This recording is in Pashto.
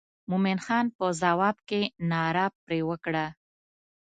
مومن خان په جواب کې ناره پر وکړه.